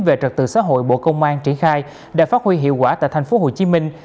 về trật tự xã hội bộ công an triển khai đã phát huy hiệu quả tại thành phố hồ chí minh